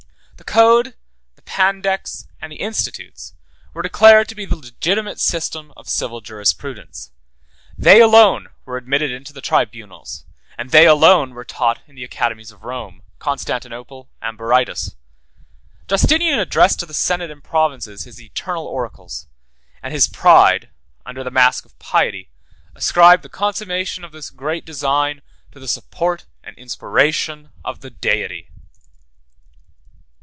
The Code, the Pandects, and the Institutes, were declared to be the legitimate system of civil jurisprudence; they alone were admitted into the tribunals, and they alone were taught in the academies of Rome, Constantinople, and Berytus. Justinian addressed to the senate and provinces his eternal oracles; and his pride, under the mask of piety, ascribed the consummation of this great design to the support and inspiration of the Deity.